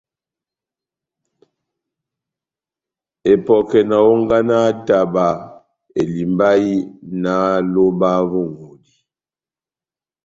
Epɔkɛ na hónganaha taba elimbahi náh lóba vó ŋʼhodi.